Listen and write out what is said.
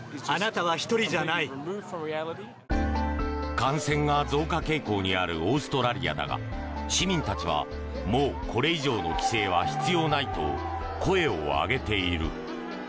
感染が増加傾向にあるオーストラリアだが市民たちはもうこれ以上の規制は必要ないと声を上げている。